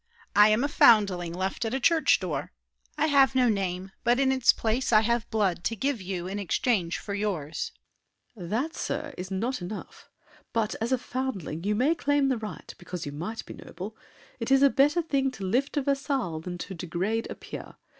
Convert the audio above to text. I am a foundling left at a church door. I have no name; but in its place, I've blood, To give you in exchange for yours! SAVERNY. That, sir, Is not enough; but as a foundling, you May claim the right, because you might be noble. It is a better thing to lift a vassal Than to degrade a peer.